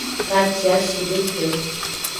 Kaciashideke.